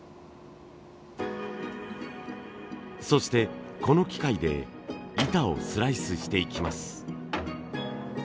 そしてこの機械で板をスライスしていきます。